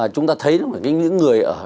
chúng ta thấy những người